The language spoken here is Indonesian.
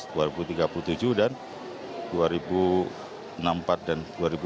dan tahun dua ribu delapan belas dua ribu tiga puluh empat dan dua ribu sembilan puluh empat